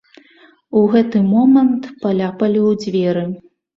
У гэты момант паляпалі ў дзверы.